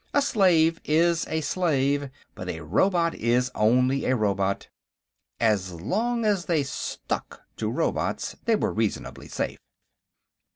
A slave is a slave, but a robot is only a robot. As long as they stuck to robots, they were reasonably safe.